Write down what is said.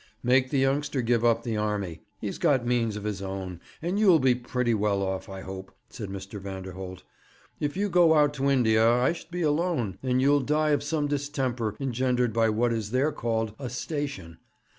'Make the youngster give up the army. He's got means of his own, and you'll be pretty well off, I hope,' said Mr. Vanderholt. 'If you go out to India I shall be alone, and you'll die of some distemper, engendered by what is there called "a station."